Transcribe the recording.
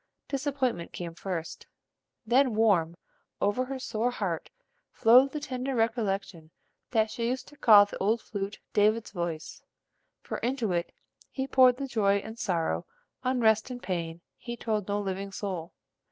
Disappointment came first, then warm over her sore heart flowed the tender recollection that she used to call the old flute "David's voice," for into it he poured the joy and sorrow, unrest and pain, he told no living soul.